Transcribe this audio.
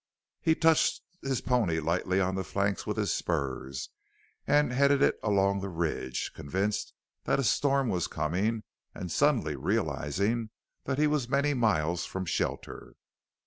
He touched his pony lightly on the flanks with his spurs and headed it along the ridge, convinced that a storm was coming and suddenly realizing that he was many miles from shelter.